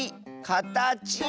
「かたち」！